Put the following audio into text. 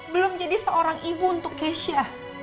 belum jadi seorang ibu untuk keisha